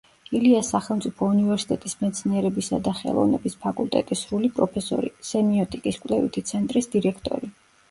ილიას სახელმწიფო უნივერსიტეტის მეცნიერებისა და ხელოვნების ფაკულტეტის სრული პროფესორი, სემიოტიკის კვლევითი ცენტრის დირექტორი.